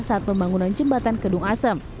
saat membangunan jembatan kedua